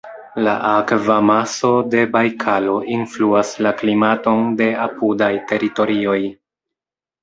La akv-amaso de Bajkalo influas la klimaton de apudaj teritorioj.